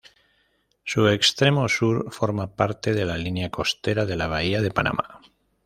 Su extremo sur forma parte de la línea costera de la bahía de Panamá.